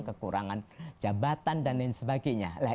kekurangan jabatan dan lain sebagainya